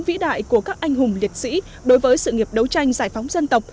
vĩ đại của các anh hùng liệt sĩ đối với sự nghiệp đấu tranh giải phóng dân tộc